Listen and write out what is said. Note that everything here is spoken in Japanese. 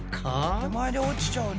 手前で落ちちゃうね。